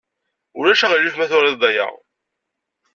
Ulac aɣilif ma turid-d aya?